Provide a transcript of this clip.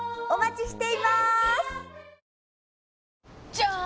じゃーん！